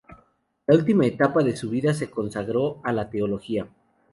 La última etapa de su vida se consagró a la Teología.